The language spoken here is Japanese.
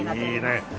いいね。